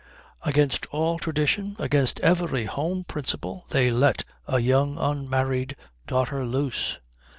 Against all tradition, against every home principle, they let a young unmarried daughter loose.